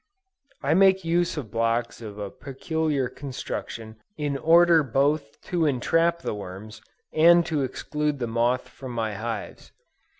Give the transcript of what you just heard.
I make use of blocks of a peculiar construction, in order both to entrap the worms, and to exclude the moth from my hives.